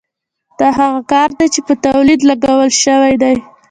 دا هغه کار دی چې په تولید لګول شوی دی